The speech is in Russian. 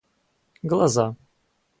глаза